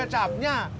emang ada capnya